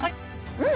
うん！